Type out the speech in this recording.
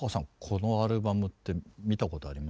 このアルバムって見たことありました？